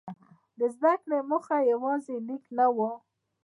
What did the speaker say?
د زده کړې موخه یوازې لیک نه وه.